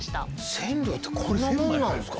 千両ってこんなもんなんすか。